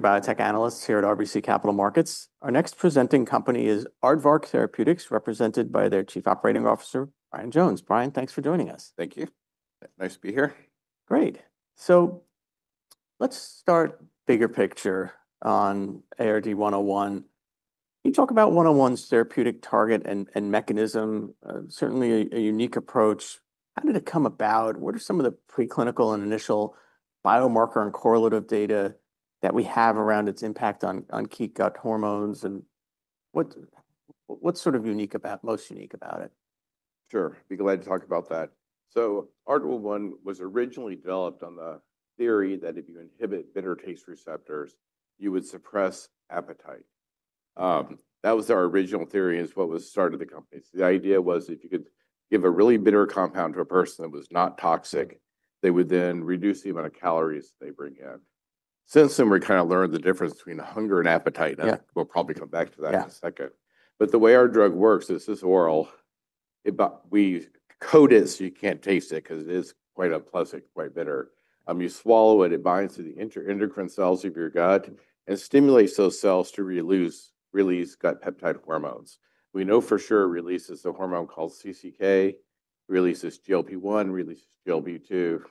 Biotech analysts here at RBC Capital Markets. Our next presenting company is Aardvark Therapeutics, represented by their Chief Operating Officer, Brian Jones. Brian, thanks for joining us. Thank you. Nice to be here. Great. Let's start. Bigger picture on ARD-101. Can you talk about 101's therapeutic target and mechanism? Certainly a unique approach. How did it come about? What are some of the preclinical and initial biomarker and correlative data that we have around its impact on key gut hormones? What's sort of unique about, most unique about it? Sure. Be glad to talk about that. ARD-101 was originally developed on the theory that if you inhibit bitter taste receptors, you would suppress appetite. That was our original theory as what was the start of the company. The idea was if you could give a really bitter compound to a person that was not toxic, they would then reduce the amount of calories they bring in. Since then, we kind of learned the difference between hunger and appetite. We'll probably come back to that in a second. The way our drug works is it's oral. We code it so you can't taste it because it is quite unpleasant, quite bitter. You swallow it, it binds to the endocrine cells of your gut and stimulates those cells to release gut peptide hormones. We know for sure it releases a hormone called CCK, releases GLP-1, releases GLP-2,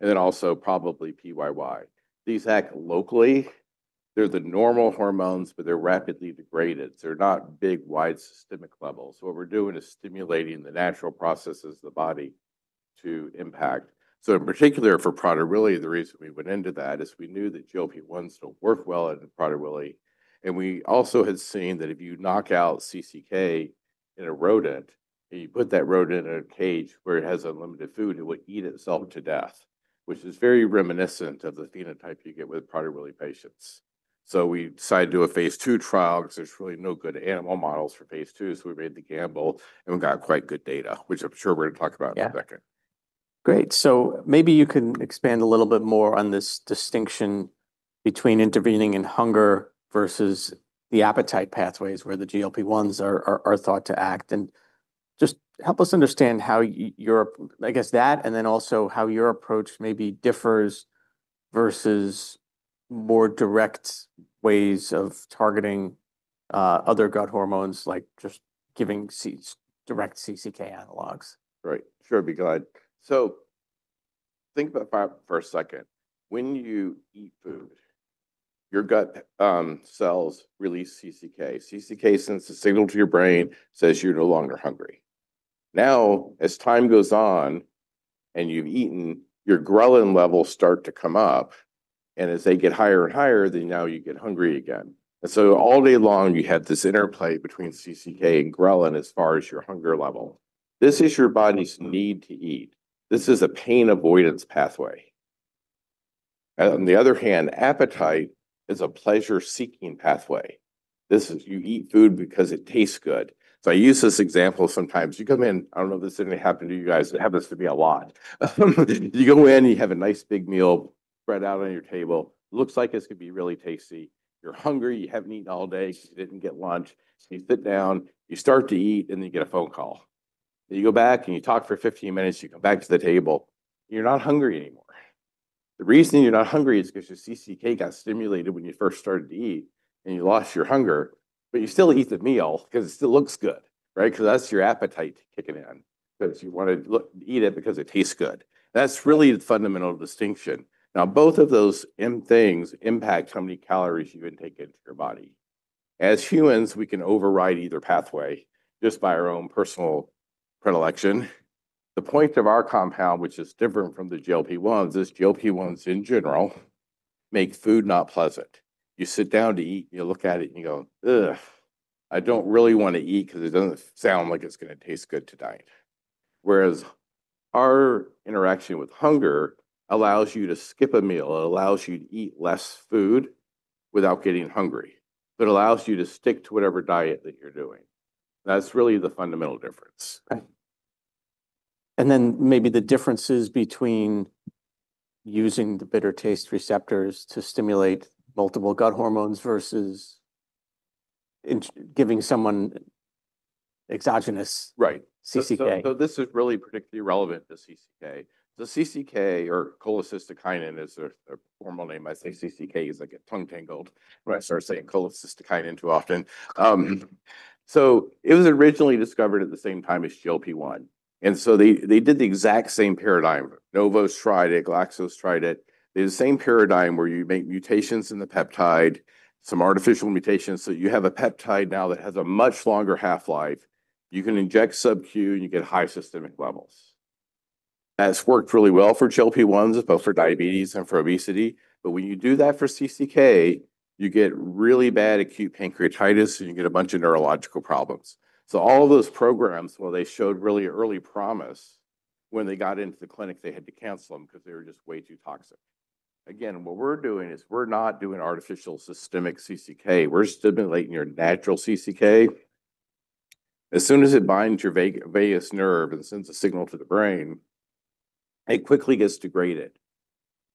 and then also probably PYY. These act locally. They're the normal hormones, but they're rapidly degraded. They're not big, wide systemic levels. What we're doing is stimulating the natural processes of the body to impact. In particular for Prader-Willi, the reason we went into that is we knew that GLP-1 still worked well in Prader-Willi. We also had seen that if you knock out CCK in a rodent, and you put that rodent in a cage where it has unlimited food, it would eat itself to death, which is very reminiscent of the phenotype you get with Prader-Willi patients. We decided to do a Phase Two trial because there's really no good animal models for Phase Two. We made the gamble and we got quite good data, which I'm sure we're going to talk about in a second. Great. Maybe you can expand a little bit more on this distinction between intervening in hunger versus the appetite pathways where the GLP-1s are thought to act. Just help us understand how your, I guess that, and then also how your approach maybe differs versus more direct ways of targeting other gut hormones, like just giving direct CCK analogs. Right. Sure. Be glad. So think about that for a second. When you eat food, your gut cells release CCK. CCK sends a signal to your brain, says you're no longer hungry. Now, as time goes on and you've eaten, your ghrelin levels start to come up. And as they get higher and higher, then now you get hungry again. And so all day long, you had this interplay between CCK and ghrelin as far as your hunger level. This is your body's need to eat. This is a pain avoidance pathway. On the other hand, appetite is a pleasure-seeking pathway. This is you eat food because it tastes good. So I use this example sometimes. You come in, I don't know if this has any happened to you guys. It happens to me a lot. You go in, you have a nice big meal spread out on your table. Looks like it's going to be really tasty. You're hungry. You haven't eaten all day. You didn't get lunch. You sit down, you start to eat, and you get a phone call. You go back and you talk for 15 minutes. You come back to the table. You're not hungry anymore. The reason you're not hungry is because your CCK got stimulated when you first started to eat and you lost your hunger, but you still eat the meal because it still looks good, right? Because that's your appetite kicking in. You want to eat it because it tastes good. That's really the fundamental distinction. Now, both of those things impact how many calories you intake into your body. As humans, we can override either pathway just by our own personal predilection. The point of our compound, which is different from the GLP-1s, is GLP-1s in general make food not pleasant. You sit down to eat, you look at it and you go, "Ugh, I don't really want to eat because it doesn't sound like it's going to taste good tonight." Whereas our interaction with hunger allows you to skip a meal. It allows you to eat less food without getting hungry, but allows you to stick to whatever diet that you're doing. That's really the fundamental difference. Maybe the differences between using the bitter taste receptors to stimulate multiple gut hormones versus giving someone exogenous CCK. Right. This is really particularly relevant to CCK. CCK, or Cholecystokinin, is a hormone name. I say CCK because I get tongue-tangled when I start saying Cholecystokinin too often. It was originally discovered at the same time as GLP-1. They did the exact same paradigm. Novo's tried it. Glaxo's tried it. They did the same paradigm where you make mutations in the peptide, some artificial mutations. You have a peptide now that has a much longer half-life. You can inject subQ and you get high systemic levels. That has worked really well for GLP-1s both for diabetes and for obesity. When you do that for CCK, you get really bad acute pancreatitis and you get a bunch of neurological problems. All of those programs, while they showed really early promise, when they got into the clinic, they had to cancel them because they were just way too toxic. Again, what we're doing is we're not doing artificial systemic CCK. We're stimulating your natural CCK. As soon as it binds your vagus nerve and sends a signal to the brain, it quickly gets degraded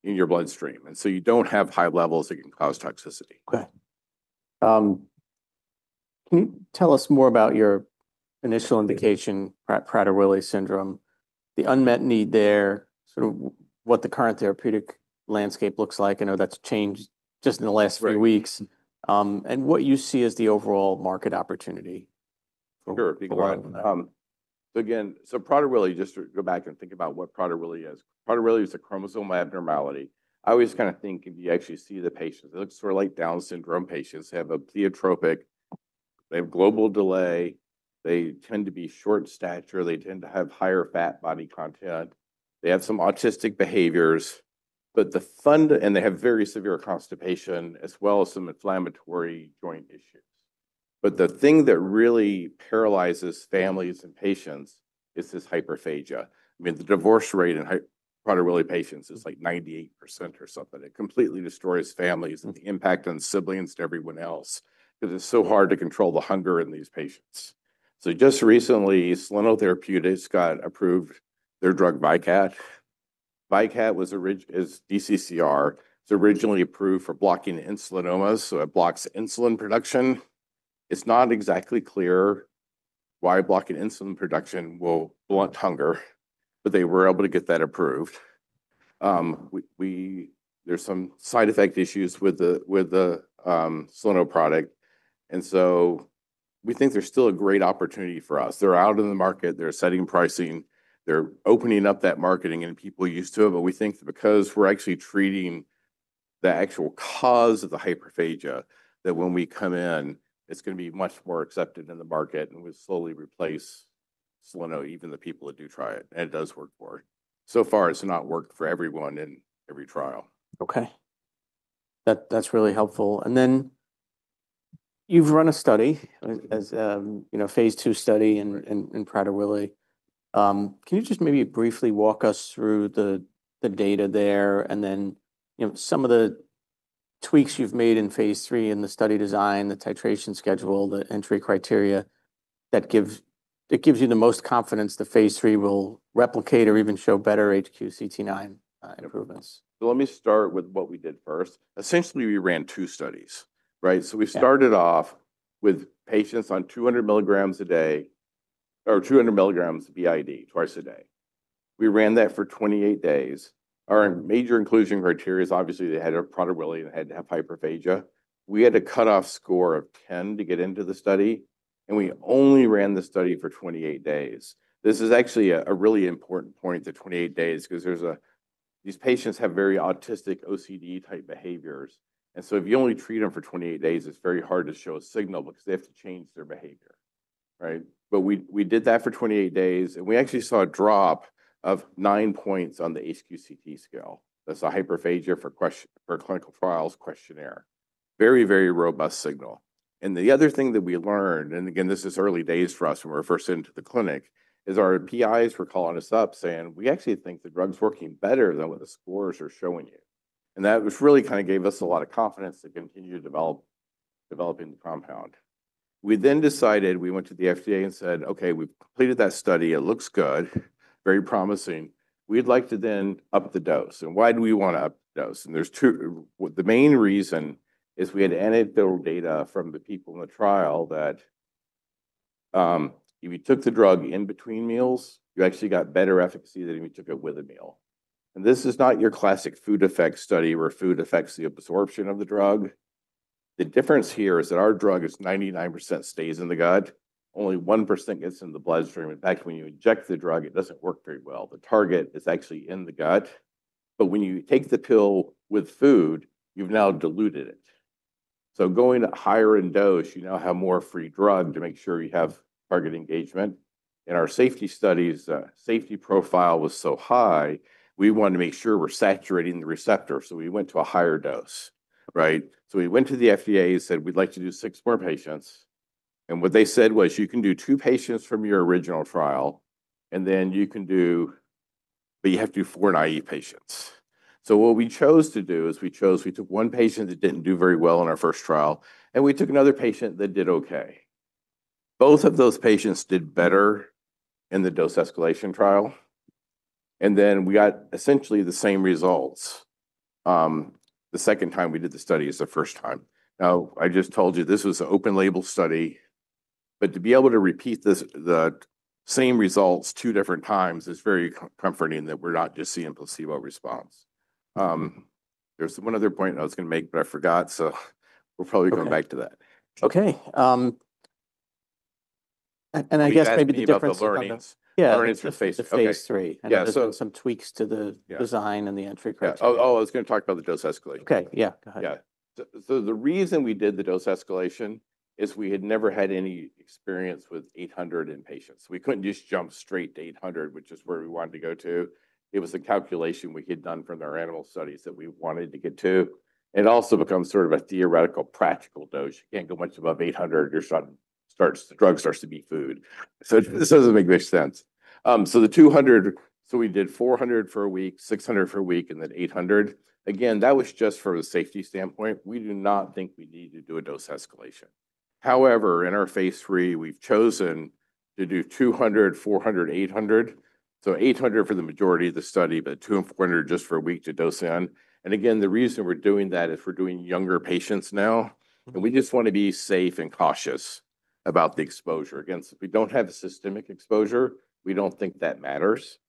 in your bloodstream. You do not have high levels that can cause toxicity. Okay. Can you tell us more about your initial indication, Prader-Willi syndrome, the unmet need there, sort of what the current therapeutic landscape looks like? I know that's changed just in the last few weeks. What you see as the overall market opportunity for Prader-Willi? Sure. Be glad. Again, Prader-Willi, just to go back and think about what Prader-Willi is. Prader-Willi is a chromosome abnormality. I always kind of think if you actually see the patients, it looks sort of like Down syndrome patients have a pleiotropic. They have global delay. They tend to be short stature. They tend to have higher fat body content. They have some autistic behaviors, but the fund, and they have very severe constipation as well as some inflammatory joint issues. The thing that really paralyzes families and patients is this hyperphagia. I mean, the divorce rate in Prader-Willi patients is like 98% or something. It completely destroys families and the impact on siblings to everyone else because it's so hard to control the hunger in these patients. Just recently, Soleno Therapeutics got approved their drug DCCR. DCCR is originally approved for blocking Insulinomas. It blocks insulin production. It's not exactly clear why blocking insulin production will blunt hunger, but they were able to get that approved. There are some side effect issues with the Soleno product. We think there's still a great opportunity for us. They're out in the market. They're setting pricing. They're opening up that marketing and people are getting used to it. We think because we're actually treating the actual cause of the hyperphagia, that when we come in, it's going to be much more accepted in the market and we'll slowly replace Soleno, even the people that do try it. It does work for some. So far, it's not worked for everyone in every trial. Okay. That's really helpful. Then you've run a study, a Phase Two study in Prader-Willi. Can you just maybe briefly walk us through the data there and then some of the tweaks you've made in Phase three in the study design, the titration schedule, the entry criteria that gives you the most confidence the Phase three will replicate or even show better HQ-CT improvements? Let me start with what we did first. Essentially, we ran Two studies, right? We started off with patients on 200 milligrams a day or 200 milligrams b.i.d., twice a day. We ran that for 28 days. Our major inclusion criteria is obviously they had Prader-Willi and had to have hyperphagia. We had a cutoff score of 10 to get into the study. We only ran the study for 28 days. This is actually a really important point, the 28 days, because these patients have very autistic OCD-type behaviors. If you only treat them for 28 days, it's very hard to show a signal because they have to change their behavior, right? We did that for 28 days. We actually saw a drop of nine points on the HQ-CT scale. That's a hyperphagia for clinical trials questionnaire. Very, very robust signal. The other thing that we learned, and again, this is early days for us when we were first into the clinic, is our PIs were calling us up saying, "We actually think the drug's working better than what the scores are showing you." That really kind of gave us a lot of confidence to continue developing the compound. We then decided we went to the FDA and said, "Okay, we've completed that study. It looks good, very promising. We'd like to then up the dose." Why do we want to up the dose? There are Two. The main reason is we had anecdotal data from the people in the trial that if you took the drug in between meals, you actually got better efficacy than if you took it with a meal. This is not your classic food effects study where food affects the absorption of the drug. The difference here is that our drug is 99% stays in the gut. Only 1% gets in the bloodstream. In fact, when you inject the drug, it does not work very well. The target is actually in the gut. When you take the pill with food, you have now diluted it. Going higher in dose, you now have more free drug to make sure you have target engagement. In our safety studies, safety profile was so high, we wanted to make sure we are saturating the receptor. We went to a higher dose, right? We went to the FDA and said, "We'd like to do six more patients." What they said was, "You can do Two patients from your original trial, and then you can do, but you have to do four naive patients." What we chose to do is we took one patient that didn't do very well in our first trial, and we took another patient that did okay. Both of those patients did better in the dose escalation trial. We got essentially the same results the second time we did the study as the first time. I just told you this was an open-label study. To be able to repeat the same results Two different times is very comforting that we're not just seeing a placebo response. There's one other point I was going to make, but I forgot. We're probably going back to that. Okay. I guess maybe the difference. The learnings. Yeah. Learnings for Phase three. Phase three. Some tweaks to the design and the entry criteria. Oh, I was going to talk about the dose escalation. Okay. Yeah. Go ahead. Yeah. The reason we did the dose escalation is we had never had any experience with 800 in patients. We couldn't just jump straight to 800, which is where we wanted to go to. It was a calculation we had done from our animal studies that we wanted to get to. It also becomes sort of a theoretical practical dose. You can't go much above 800 or the drug starts to be food, so this doesn't make much sense. The 200. We did 400 for a week, 600 for a week, and then 800. Again, that was just from a safety standpoint. We do not think we need to do a dose escalation. However, in our Phase three, we've chosen to do 200, 400, 800. 800 for the majority of the study, but 200 and 400 just for a week to dose in. The reason we're doing that is we're doing younger patients now. We just want to be safe and cautious about the exposure. We do not have a systemic exposure. We do not think that matters.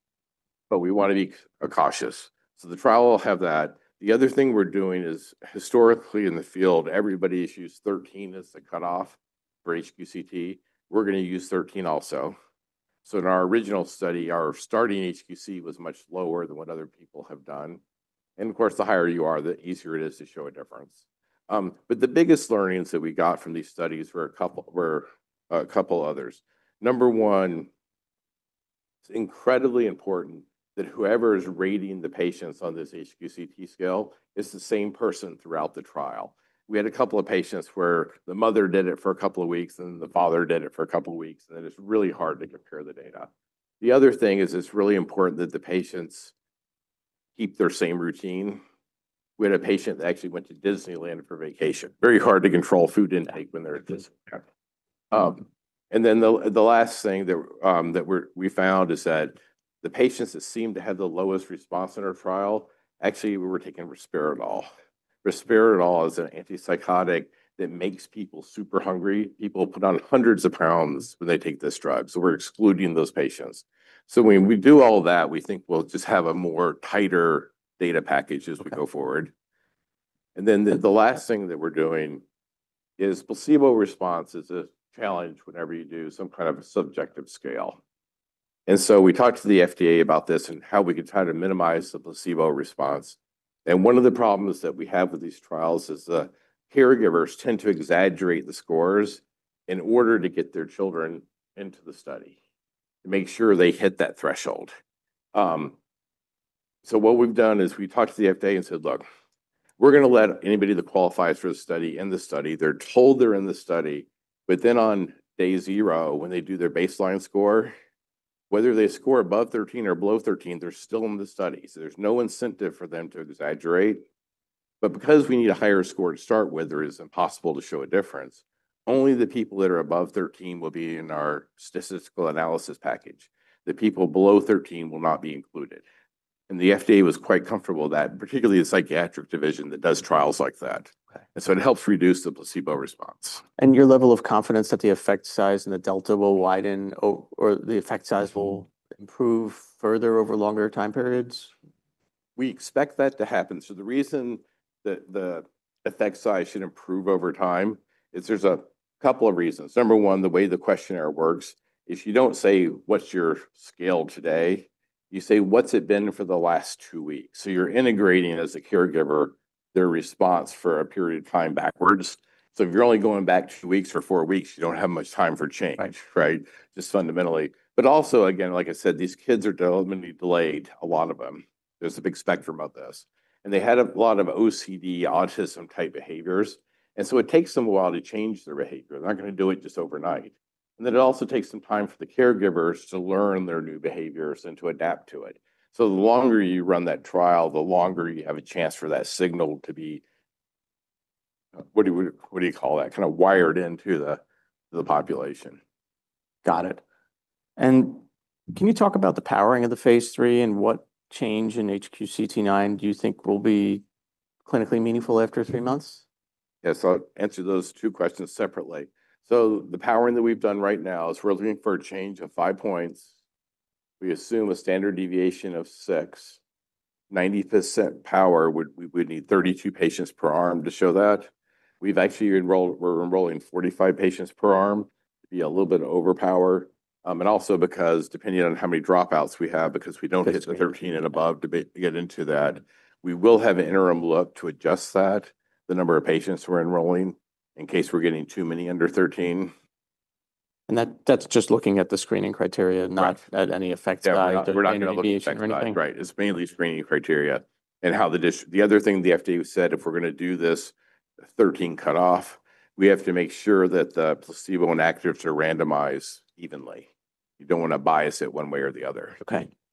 We want to be cautious. The trial will have that. The other thing we're doing is historically in the field, everybody has used 13 as the cutoff for HQ-CT. We're going to use 13 also. In our original study, our starting HQ-CT was much lower than what other people have done. The higher you are, the easier it is to show a difference. The biggest learnings that we got from these studies were a couple of others. Number one, it is incredibly important that whoever is rating the patients on this HQ-CT scale is the same person throughout the trial. We had a couple of patients where the mother did it for a couple of weeks, and then the father did it for a couple of weeks. It's really hard to compare the data. The other thing is it's really important that the patients keep their same routine. We had a patient that actually went to Disneyland for vacation. Very hard to control food intake when they're at Disneyland. The last thing that we found is that the patients that seemed to have the lowest response in our trial actually were taking Risperdal. Risperdal is an antipsychotic that makes people super hungry. People put on hundreds of pounds when they take this drug. We're excluding those patients. When we do all that, we think we'll just have a more tighter data package as we go forward. The last thing that we're doing is placebo response is a challenge whenever you do some kind of a subjective scale. We talked to the FDA about this and how we could try to minimize the placebo response. One of the problems that we have with these trials is the caregivers tend to exaggerate the scores in order to get their children into the study to make sure they hit that threshold. What we've done is we talked to the FDA and said, "Look, we're going to let anybody that qualifies for the study in the study. They're told they're in the study. Then on day zero, when they do their baseline score, whether they score above 13 or below 13, they're still in the study. There's no incentive for them to exaggerate. Because we need a higher score to start with, it is impossible to show a difference. Only the people that are above 13 will be in our statistical analysis package. The people below 13 will not be included. The FDA was quite comfortable with that, particularly the psychiatric division that does trials like that. It helps reduce the placebo response. Your level of confidence that the effect size and the delta will widen or the effect size will improve further over longer time periods? We expect that to happen. The reason that the effect size should improve over time is there's a couple of reasons. Number one, the way the questionnaire works, if you don't say, "What's your scale today?" you say, "What's it been for the last Two weeks?" You're integrating as a caregiver their response for a period of time backwards. If you're only going back Two weeks or four weeks, you don't have much time for change, right? Just fundamentally. Also, like I said, these kids are developmentally delayed, a lot of them. There's a big spectrum of this. They had a lot of OCD, autism-type behaviors. It takes them a while to change their behavior. They're not going to do it just overnight. It also takes some time for the caregivers to learn their new behaviors and to adapt to it. The longer you run that trial, the longer you have a chance for that signal to be, what do you call that, kind of wired into the population. Got it. Can you talk about the powering of the Phase three and what change in HQ-CT do you think will be clinically meaningful after three months? Yeah. I'll answer those Two questions separately. The powering that we've done right now is we're looking for a change of five points. We assume a standard deviation of six. 90% power, we would need 32 patients per arm to show that. We've actually enrolled, we're enrolling 45 patients per arm to be a little bit of overpower. Also because depending on how many dropouts we have, because we don't hit the 13 and above to get into that, we will have an interim look to adjust that, the number of patients we're enrolling in case we're getting too many under 13. That's just looking at the screening criteria, not at any effect value, interval deviation or anything. Right. It's mainly screening criteria. The other thing the FDA said, if we're going to do this 13 cutoff, we have to make sure that the placebo inactives are randomized evenly. You don't want to bias it one way or the other.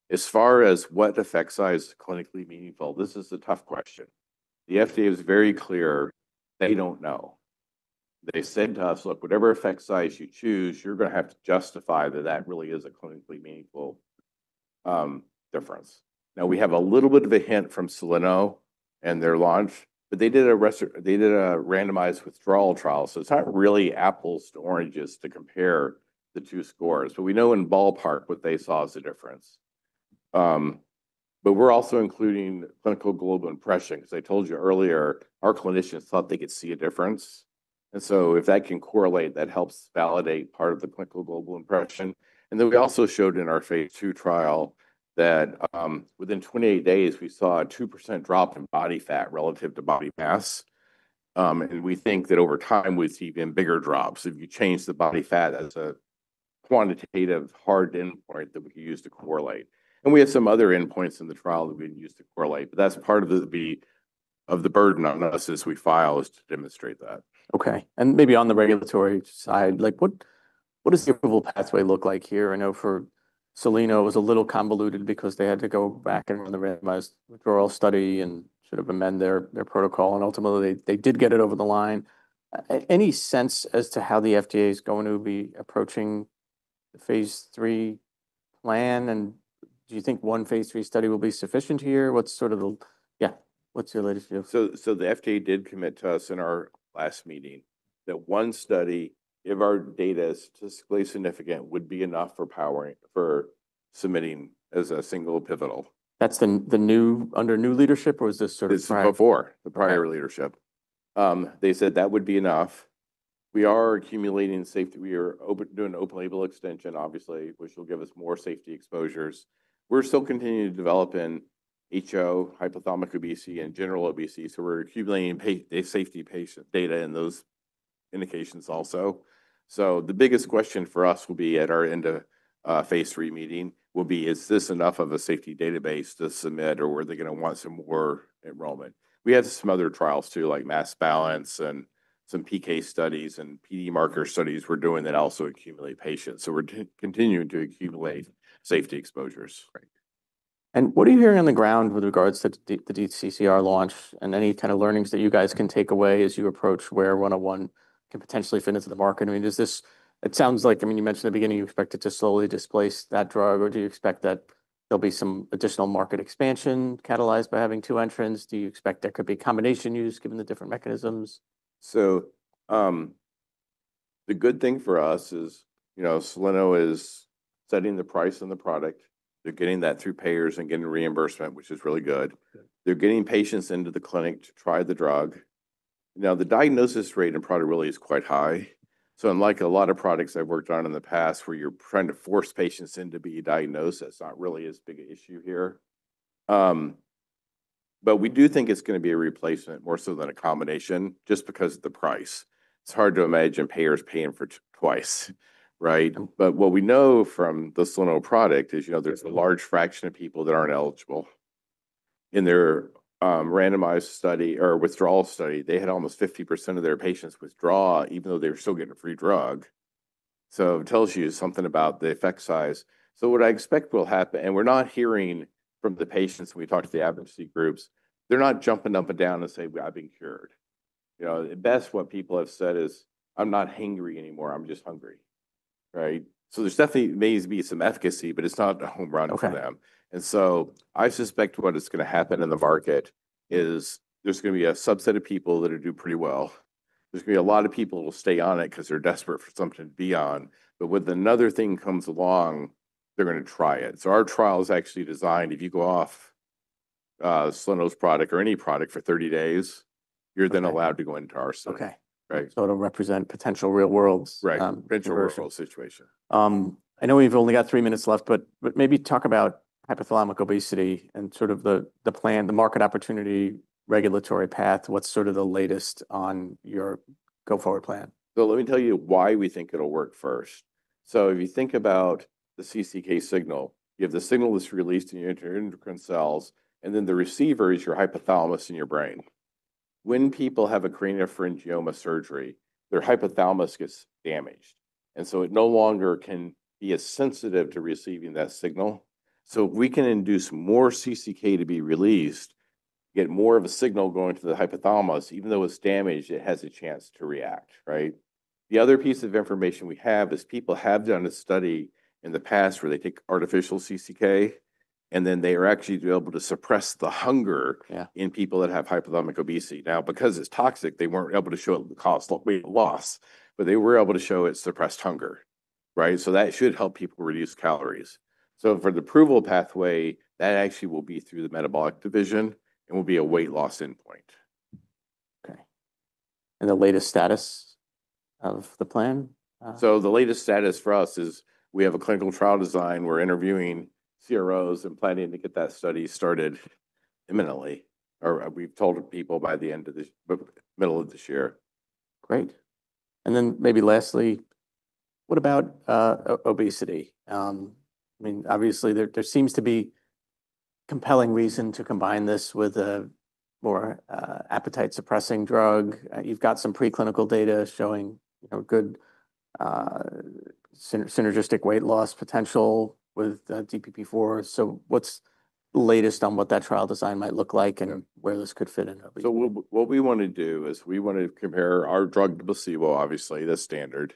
As far as what effect size is clinically meaningful, this is a tough question. The FDA was very clear that they don't know. They said to us, "Look, whatever effect size you choose, you're going to have to justify that that really is a clinically meaningful difference." Now, we have a little bit of a hint from Soleno and their launch, but they did a randomized withdrawal trial. It's not really apples to oranges to compare the Two scores. We know in ballpark what they saw as a difference. We are also including Clinical Global Impression because I told you earlier, our clinicians thought they could see a difference. If that can correlate, that helps validate part of the Clinical Global Impression. We also showed in our Phase II trial that within 28 days, we saw a 2% drop in body fat relative to body mass. We think that over time, we have seen even bigger drops if you change the body fat as a quantitative hard endpoint that we can use to correlate. We have some other endpoints in the trial that we can use to correlate. That is part of the burden on us as we file, to demonstrate that. Okay. And maybe on the regulatory side, what does the approval pathway look like here? I know for Soleno, it was a little convoluted because they had to go back and run the randomized withdrawal study and sort of amend their protocol. Ultimately, they did get it over the line. Any sense as to how the FDA is going to be approaching the Phase three plan? Do you think one Phase three study will be sufficient here? Yeah. What's your latest view? The FDA did commit to us in our last meeting that one study, if our data is statistically significant, would be enough for submitting as a single pivotal. That's under new leadership, or is this sort of prior? This is before, the prior leadership. They said that would be enough. We are accumulating safety. We are doing open-label extension, obviously, which will give us more safety exposures. We're still continuing to develop in HO, hypothalamic obesity, and general obesity. We are accumulating safety patient data in those indications also. The biggest question for us will be at our end of Phase three meeting will be, is this enough of a safety database to submit, or were they going to want some more enrollment? We have some other trials too, like mass balance and some PK studies and PD marker studies we're doing that also accumulate patients. We are continuing to accumulate safety exposures. What are you hearing on the ground with regards to the DCCR launch and any kind of learnings that you guys can take away as you approach where 101 can potentially fit into the market? I mean, it sounds like, I mean, you mentioned at the beginning you expect it to slowly displace that drug. Do you expect that there'll be some additional market expansion catalyzed by having Two entrants? Do you expect there could be combination use given the different mechanisms? The good thing for us is Soleno is setting the price on the product. They're getting that through payers and getting reimbursement, which is really good. They're getting patients into the clinic to try the drug. Now, the diagnosis rate in Prader-Willi really is quite high. Unlike a lot of products I've worked on in the past where you're trying to force patients in to be diagnosed, that's not really as big an issue here. We do think it's going to be a replacement more so than a combination just because of the price. It's hard to imagine payers paying for twice, right? What we know from the Soleno product is there's a large fraction of people that aren't eligible. In their randomized study or withdrawal study, they had almost 50% of their patients withdraw even though they were still getting a free drug. It tells you something about the effect size. What I expect will happen, and we're not hearing from the patients when we talk to the advocacy groups, they're not jumping up and down and saying, "I've been cured." At best, what people have said is, "I'm not hangry anymore. I'm just hungry." Right? There definitely may be some efficacy, but it's not a home run for them. I suspect what is going to happen in the market is there's going to be a subset of people that will do pretty well. There's going to be a lot of people who will stay on it because they're desperate for something to be on. When another thing comes along, they're going to try it. Our trial is actually designed if you go off Soleno's product or any product for 30 days, you're then allowed to go into our study. Okay. It'll represent potential real world situations. Right. Potential real world situation. I know we've only got three minutes left, but maybe talk about hypothalamic obesity and sort of the plan, the market opportunity, regulatory path. What's sort of the latest on your go-forward plan? Let me tell you why we think it'll work first. If you think about the CCK signal, you have the signal that's released in your endocrine cells, and then the receiver is your hypothalamus in your brain. When people have a cranial pharyngioma surgery, their hypothalamus gets damaged. It no longer can be as sensitive to receiving that signal. If we can induce more CCK to be released, get more of a signal going to the hypothalamus, even though it's damaged, it has a chance to react, right? The other piece of information we have is people have done a study in the past where they take artificial CCK, and then they are actually able to suppress the hunger in people that have Hypothalamic Obesity. Now, because it's toxic, they weren't able to show it with the cost of weight loss, but they were able to show it suppressed hunger, right? That should help people reduce calories. For the approval pathway, that actually will be through the metabolic division, and it will be a weight loss endpoint. Okay. What is the latest status of the plan? The latest status for us is we have a clinical trial design. We're interviewing CROs and planning to get that study started imminently. Or we've told people by the end of the middle of this year. Great. Maybe lastly, what about obesity? I mean, obviously, there seems to be a compelling reason to combine this with a more appetite-suppressing drug. You've got some preclinical data showing good synergistic weight loss potential with DPP-4. What's the latest on what that trial design might look like and where this could fit in? What we want to do is we want to compare our drug to placebo, obviously, the standard.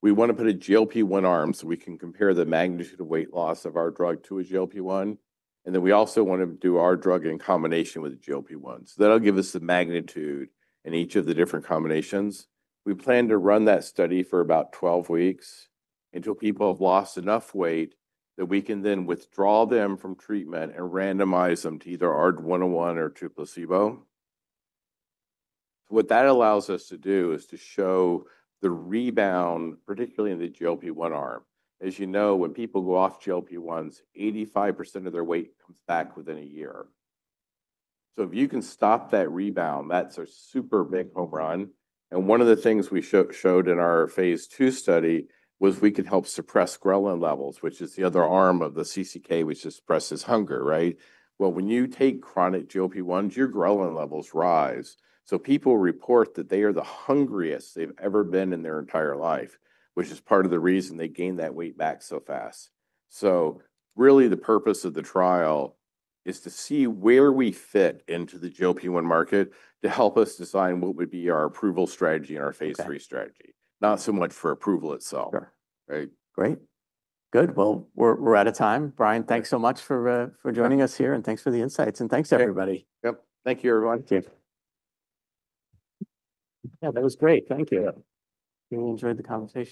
We want to put a GLP-1 arm so we can compare the magnitude of weight loss of our drug to a GLP-1. We also want to do our drug in combination with a GLP-1. That will give us the magnitude in each of the different combinations. We plan to run that study for about 12 weeks until people have lost enough weight that we can then withdraw them from treatment and randomize them to either ARD-101 or to placebo. What that allows us to do is to show the rebound, particularly in the GLP-1 arm. As you know, when people go off GLP-1s, 85% of their weight comes back within a year. If you can stop that rebound, that's a super big home run. One of the things we showed in our Phase Two study was we could help suppress ghrelin levels, which is the other arm of the CCK, which suppresses hunger, right? When you take chronic GLP-1s, your ghrelin levels rise. People report that they are the hungriest they've ever been in their entire life, which is part of the reason they gain that weight back so fast. Really, the purpose of the trial is to see where we fit into the GLP-1 market to help us design what would be our approval strategy and our Phase three strategy, not so much for approval itself. Sure. Great. Good. We're out of time. Brian, thanks so much for joining us here. Thanks for the insights. Thanks, everybody. Yep. Thank you, everyone. Thank you. Yeah, that was great. Thank you. We enjoyed the conversation.